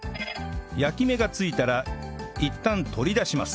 焼き目が付いたらいったん取り出します